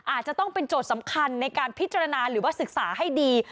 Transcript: อาจจะต้องเป็นโจทย์สำคัญในการพิจารณาหรือว่าศึกษาให้ดี